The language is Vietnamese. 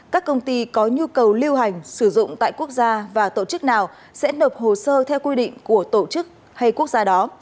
các công ty có nhu cầu lưu hành sử dụng tại quốc gia và tổ chức nào sẽ nộp hồ sơ theo quy định của tổ chức hay quốc gia đó